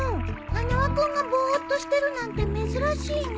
花輪君がぼーっとしてるなんて珍しいね。